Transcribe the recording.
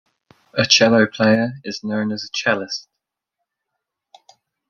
A cello player is known as a cellist.